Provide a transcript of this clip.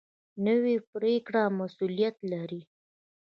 نوې پرېکړه مسؤلیت لري